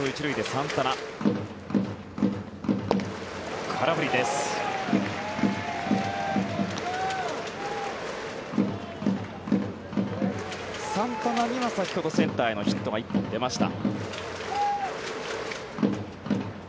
サンタナには先ほどセンターへのヒットが１本出ました。